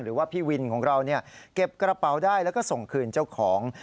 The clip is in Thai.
หรือว่าพี่วินของเราเก็บกระเป๋าได้แล้วก็ส่งคืนเจ้าของ